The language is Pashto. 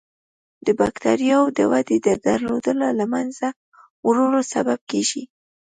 د بکټریاوو د ودې د درولو یا له منځه وړلو سبب کیږي.